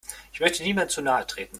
Ich möchte niemandem zu nahe treten.